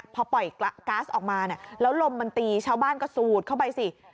พอปล่อยก๊าซออกมาเนี่ยแล้วลมมันตีชาวบ้านก็สูดเข้าไปสิ